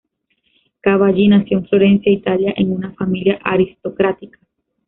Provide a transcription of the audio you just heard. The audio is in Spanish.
Cavalli nació en Florencia, Italia, en una familia aristocrática.